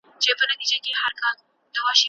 د محصلینو پوهه د څېړني له لاري څرګندیږي.